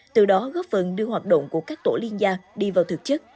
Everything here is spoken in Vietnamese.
từ đó góp phần đưa hoạt động của các tổ liên gia đi vào thực chất